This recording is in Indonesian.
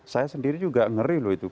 saya sendiri juga ngeri loh itu